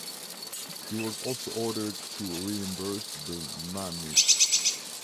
He was also ordered to reimburse the money.